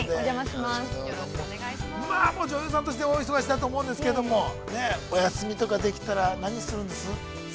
◆まあ女優さんとして、お忙しいなと思うんですけど、お休みとかできたら、何するんですか。